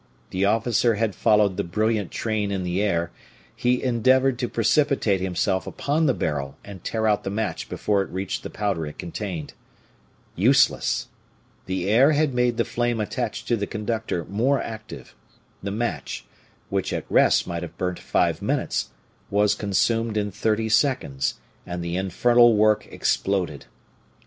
The officer had followed the brilliant train in the air; he endeavored to precipitate himself upon the barrel and tear out the match before it reached the powder it contained. Useless! The air had made the flame attached to the conductor more active; the match, which at rest might have burnt five minutes, was consumed in thirty seconds, and the infernal work exploded.